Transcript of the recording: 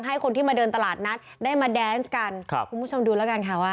ให้คนได้มาเดินตลาดนัท